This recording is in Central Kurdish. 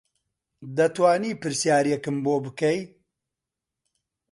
دەتوانی پرسیارێکم بۆ بکەی